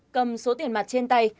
cầm số tiền mặt trên tay